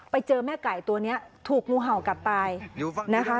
ไปเจอแม่ไก่ตัวนี้ถูกงูเห่ากัดตายนะคะ